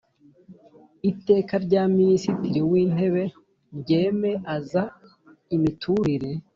Iteka rya Minisitiri wIntebe ryemeaza imiturire